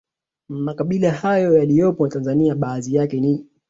Na makabila hayo yaliyopo Tanzania baadhi yake ni